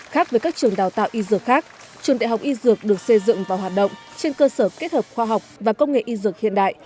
khác với các trường đào tạo y dược khác trường đại học y dược được xây dựng và hoạt động trên cơ sở kết hợp khoa học và công nghệ y dược hiện đại